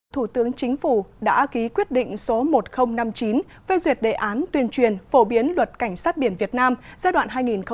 thủ tướng chính phủ đã ký quyết định số một nghìn năm mươi chín về duyệt đề án tuyên truyền phổ biến luật cảnh sát biển việt nam giai đoạn hai nghìn một mươi tám hai nghìn một mươi tám